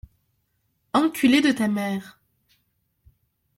Enculé de ta mère.